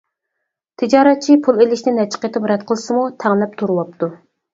تىجارەتچى پۇل ئېلىشنى نەچچە قېتىم رەت قىلسىمۇ، تەڭلەپ تۇرۇۋاپتۇ.